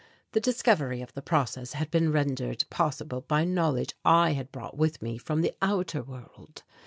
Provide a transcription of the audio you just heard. The discovery of the process had been rendered possible by knowledge I had brought with me from the outer world.